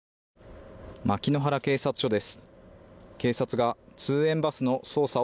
牧ノ原警察署です。